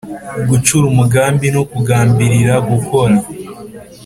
gucura umugambi no kugambirira gukora